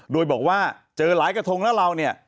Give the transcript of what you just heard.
โดยบอกว่าเจอหลายกระทงแล้วเราเนี่ย